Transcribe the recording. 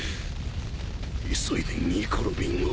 急いでニコ・ロビンを。